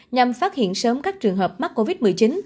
nhằm phát hiện sớm các trường hợp mắc covid một mươi chín